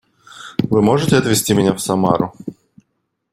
Вы можете отвезти меня в Самару?